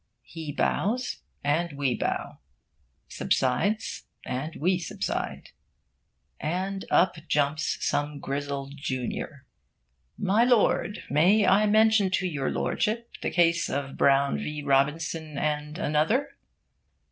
He bows, and we bow; subsides, and we subside; and up jumps some grizzled junior 'My Lord, may I mention to your Lordship the case of "Brown v. Robinson and Another"?'